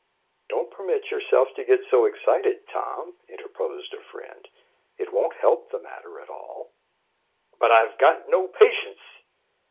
"Don't permit yourself to get so excited, Tom," interposed a friend. "It won't help the matter at all." "But I've got no patience."